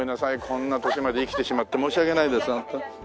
こんな年まで生きてしまって申し訳ないですホント。